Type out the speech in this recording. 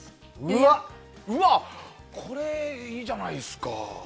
うわ、これいいじゃないですか。